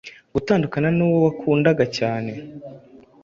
gutandukana n’uwo wakundaga cyane